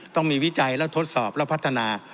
ต้องมีวิจัยและทดสอบและพัฒนา